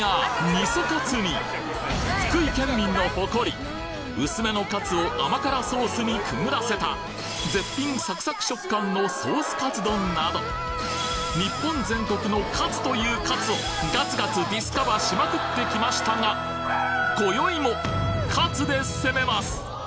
味噌かつに薄めのカツを甘辛ソースにくぐらせた絶品サクサク食感のソースカツ丼など日本全国の「カツ」という「カツ」をガツガツディスカバしまくってきましたがで攻めます！